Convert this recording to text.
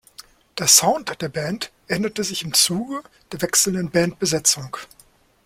Der Sound der Band änderte sich im Zuge der wechselnden Bandbesetzung.